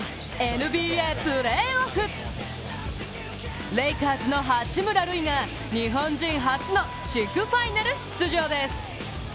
ＮＢＡプレーオフ！レイカーズの八村塁が日本人初の地区ファイナル出場です。